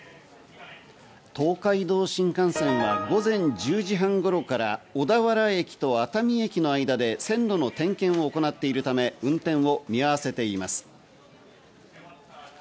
東海道新幹線は午前１０時半頃から小田原駅と熱海駅の間で線路の点検を行っているため、運転を見合わせています。